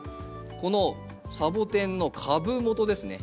このサボテンの株元ですね